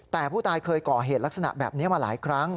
แต่ผู้ตายเคยก่อเหตุลักษณะแบบนี้มาหลายครั้ง